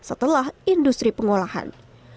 adalah industri pengolahan